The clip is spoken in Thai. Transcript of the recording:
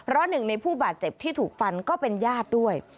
เพราะหนึ่งในผู้บาดเจ็บที่ถูกฟันก็เป็นญาติด้วย